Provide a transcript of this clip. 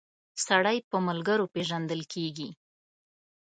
سړی په ملګرو پيژندل کیږی